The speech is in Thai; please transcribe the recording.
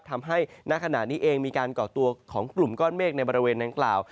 ณขณะนี้เองมีการก่อตัวของกลุ่มก้อนเมฆในบริเวณดังกล่าว